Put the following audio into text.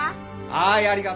はいありがとう。